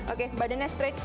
oke badannya straight